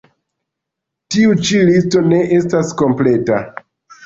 Tiu ĉi listo ne estas kompleta.